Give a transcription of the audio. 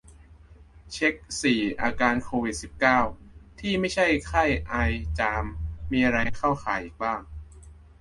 เช็ก สี่ อาการโควิด สิบเก้า ที่ไม่ใช่ไข้ ไอ จาม มีอะไรเข้าข่ายอีกบ้าง